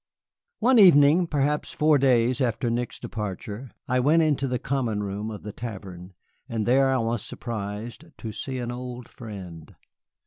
One evening, perhaps four days after Nick's departure, I went into the common room of the tavern, and there I was surprised to see an old friend.